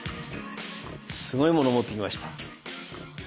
すごいもの持ってきました。